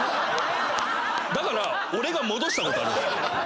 だから俺が戻したことある。